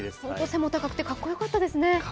背も高くてかっこよかったですね。